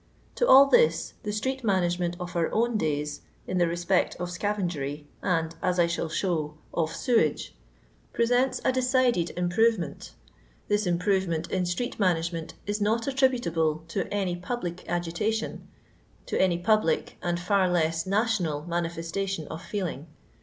To all this the streetpmnnagement of our own days, in the respect of scavengery, and, as I shall show, of sewerage, presents a decided improvement This improvement in street ma* nagement is not attributable to any public agita tion—to any public, and, far less, national mani festation of feeling.